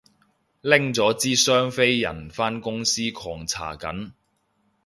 拎咗支雙飛人返公司狂搽緊